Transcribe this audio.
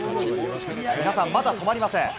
皆さん、まだ止まりません。